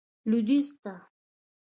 لوېدیځ ته.